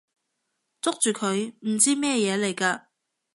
捉住佢！唔知咩嘢嚟㗎！